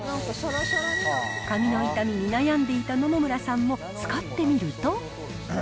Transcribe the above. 髪の傷みに悩んでいた野々村さんも使ってみると。